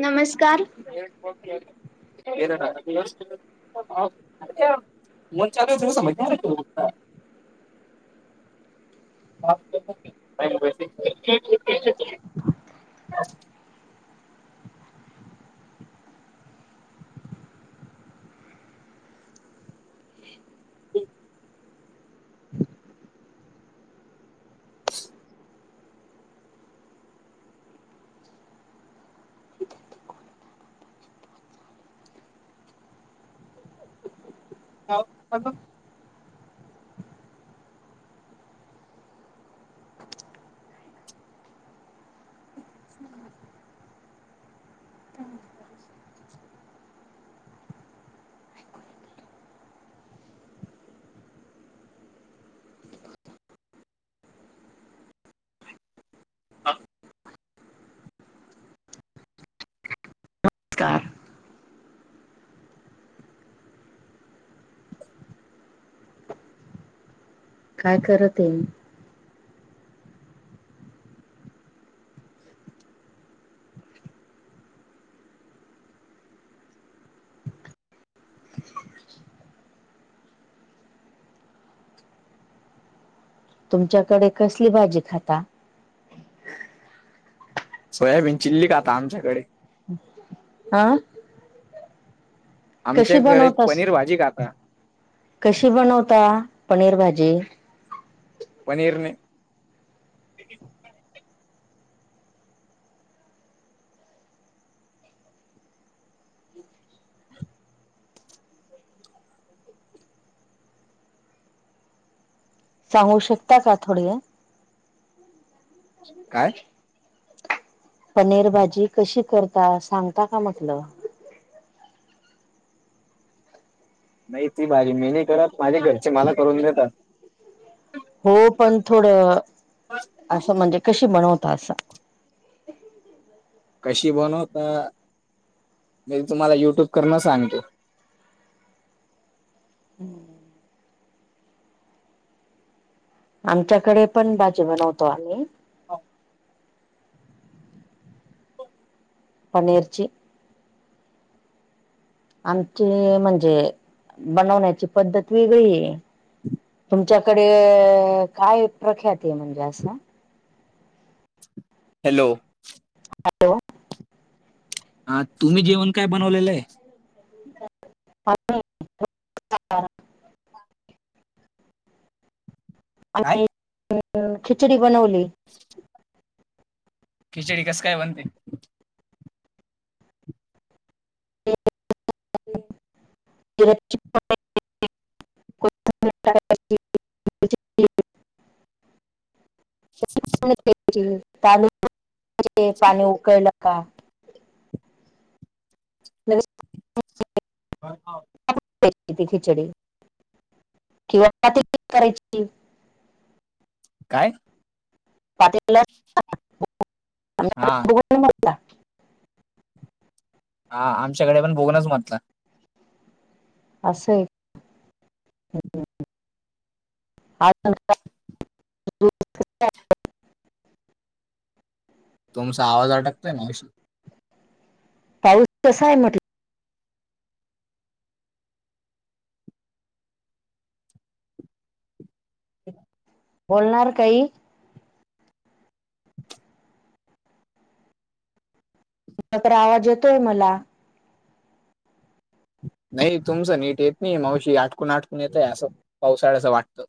नमस्कार. नड [unintelligible] [inaudible] मन चाले समज [unintelligible] [inaudible] [unintelligible] हा [inaudible] [inaudible] हाव. काय. काय करते. तुमच्याकडे कसली भाजी खाता? सोयाबीन चिल्ली खाता, आमच्याकडे. ह. अ. आमच्याकडे, बनवतास? पनीर भाजी खाता. कशी बनवता?, पनीर भाजी. पनीरने सांगू शकता का? थोडी. काय? पनीर भाजी कशी करता? सांगता का? म्हटलं. नाही ती भाजी मी नाही करत, माझे घरचे, मला करून देतात. हो पण थोड, असं म्हणजे, कशी बनवत असं? कशी बनवता? मी तुम्हाला युट्यूब करन सांगतो. हम्म. आमच्याकडे पण, भाजी बनवतो आम्ही. पनीरची. आमचे म्हणजे, बनवण्याची पद्धत वेगळीये. तुमच्याकडे, काय प्रख्यातीये, म्हणजे असं. हॅलो. हॅलो. हा, तुम्ही जेवण काय बनवलेलंय? आम्ही काय आणि अ खिचडी बनवली. [inaudible] खिचडी कसं काय बनते. ते [inaudible] [inaudible] तांदूळ पाणी उकळलं का. [unintelligible] हो ह खिचडी किंवा पाती करायची. काय? [unintelligible] हा. [unintelligible] हा आमच्याकडे पण बघणच म्हटलं. असं एक आज. तुमचा आवाज अटकतोय ना अ पाऊस कसा आहे म्हटलं. [inaudible] बोलणार काही. मात्र आवाज येतोय मला. नाही तुमचं नीट येत नाही मावशी आटकून आटकून येतय असं पावसाळ्याच वाटतं.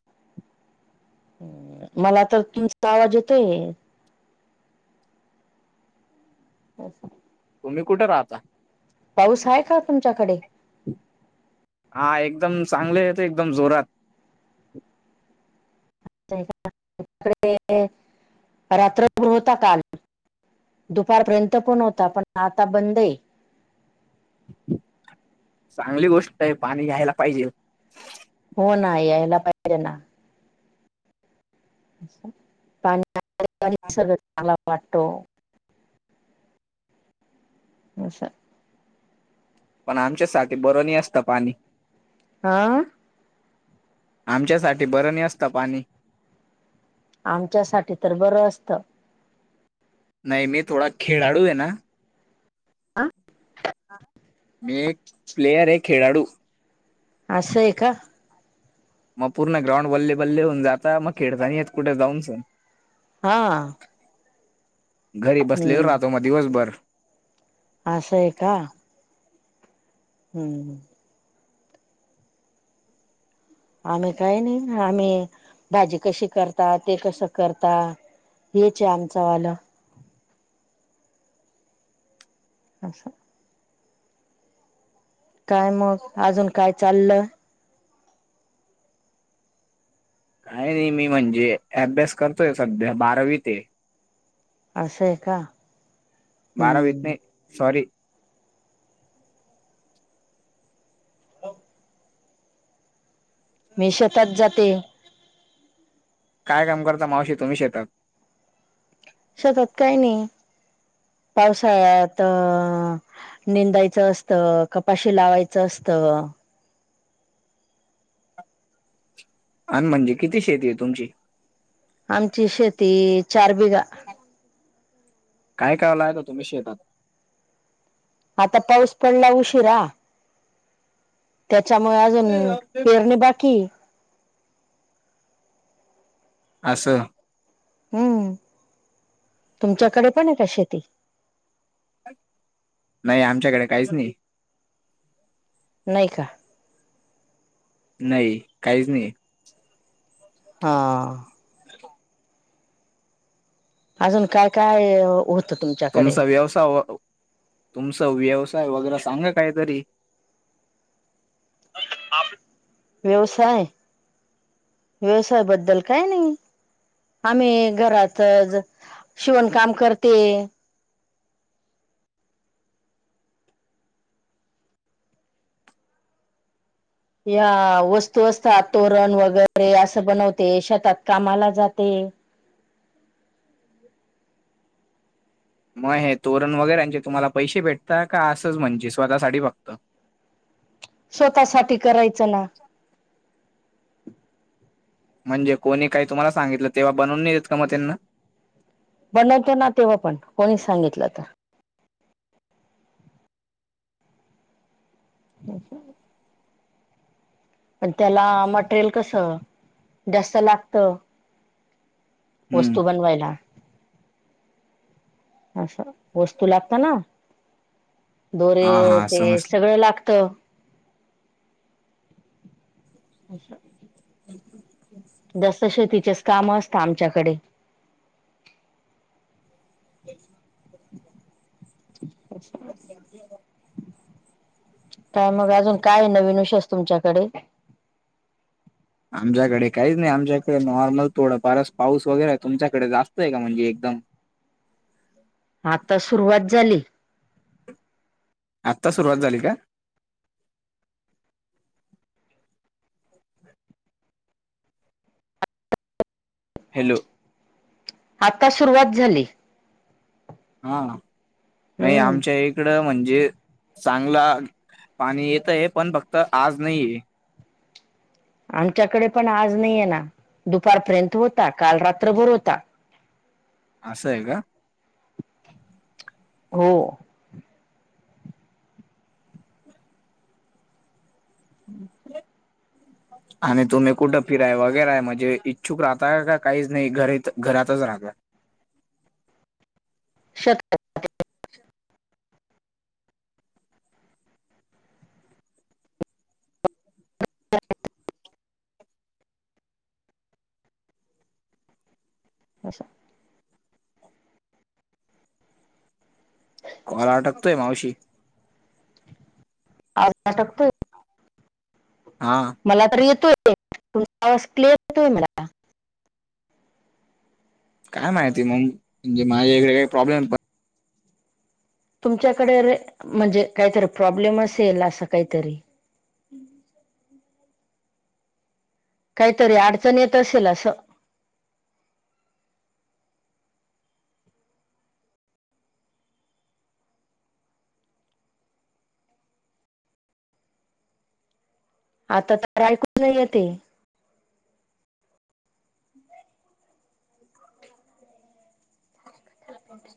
मला तर तीमचा आवाज येतोय. [inaudible] तुम्ही कुठे राहता? पाऊस आहे का तुमच्याकडे? हा एकदम चांगले आहे तर एकदम जोरात. कडे रात्रभृ होता काल. दुपारपर्यंत पण होता पण आता बंद आहे. चांगली गोष्ट आहे पाणी घ्यायला पाहिजे. हो ना यायला पाहि रे ना. पाणी पाणी सगळ चांला वाटतो. हशा पण आमच्यासाठी बरं नाही असतं पाणी. आह. आमच्या साठी बरं नाही असत पाणी. आमच्यासाठी तर बरं असतं. नाही मी थोडा खेळाडू आहे ना. मी एक प्लेयर आहे खेळाडू. असं आहे का. मग पूर्ण ग्राउंड बल्लेबल्ले होऊन जाता मग खेळता नाही येत कुठे जाऊन सण. हा. घरी बसलेल राहतो हम्म मग दिवसभर.. आशय का. हम्म आम्ही काही नाही आम्ही भाजी कशी करता ते कसं करता. हेच आहे आमचं वालं. नमच्या काय मग अजून काय चाललं. काय नाही मी म्हणजे अभ्यास करतोय सध्या बारावी ते. असशं आहे का. हम्म बारावीतने सॉरी हो मी शेतात जाते काय काम करता मावशी तुम्ही शेतात सतात काय नाही पावसाळ्यात निंदायचं असत कपाशी लावायचं असत आणि म्हणजे किती शेती आहे तुमची आमची शेती चार बिघा काय क लाय त तुम्ही शेतात आता पाऊस पडला उशीिरा त्याच्यामुळे अजून पेरणी बाकी अससं हम्म तुमच्याकडे पण आहे का शेती नाही आमच्याकडे काहीच नाही नाही का नाही काहीच नाही हा अजून काय काय तुमच्याकडे तुमचा व्यवसाय तुमचा व्यवसाय वगैरे सांग काहीतरी व्यवसाय व्यवसायाबद्दल काय नाही आम्ही घरातच शिवणकाम करते या वस्तू असतात तोरण वगैरे असं बनवते शेतात कामाला जाते मग हे तोरण वगैरेचे तुम्हाला पैसे भेटत का असंच म्हणजे स्वतः साडी बघत स्वतः सा करायचं ना [inaudible] म्हणजे कोणी काही तुम्हाला सांगितलं तेव्हा बनवून नाही देत का मग त्यांना बनवतो ना तेव्हा पण कोणी सांगितलं तर अच्छा पण त्याला मटेरियल कसं जास्त लागत हम्म वस्तू बनवायला असं वस्तू लागत ना दोरे हा हा ते समजलं सगळं लागत अचछा अ जसं शेतीचेच काम असतात आमच्याकडे [inaudible] अ् का मग अजून काय नवीन विशयष तुमच्याकडे आमच्याकडे काहीच नाही आमच्याकडे नॉर्मल थोडं फारच पाऊस वगैरे तुमच्याकडे जास्त आहे का म्हणजे एकदम आता सुरुवात झाली आत्ता सुरुवात झाली का हॅलो, आता सुरुवात झाली. हा नाही हम्म. आमच्या एक इकड म्हणजे चांगला पाणी येत आहे पण फक्त आज नाही आहे. आमच्याकडे पण आज नाही आहे ना दुपारपर्यंत होता काल रात्रभर होता. असं आहे का. हो. अम्छ आणि तुम्ही कुठं फिराय वगैरय म्हणजे इच्छुक राहताय काहीच नाही घरी घरातच राहता. शत अ अशा कॉल अटकतोय मावशी आज अटकतोय हा मला तर येतोय तुमचा आवाज क्लिअर येतोय मला काय माहिती मग म्हणजे माझे काही प्रॉब्लेम तुमच्याकडे म्हणजे काहीतरी प्रॉब्लेम असेल असं काहीतरी काहीतरी अडचण येत असेल असं आता तर ऐकून नाहीय ते च